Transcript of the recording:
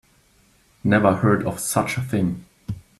Never heard of such a thing.